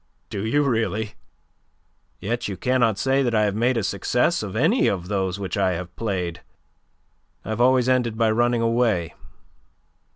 "Do you really? Yet you cannot say that I have made a success of any of those which I have played. I have always ended by running away.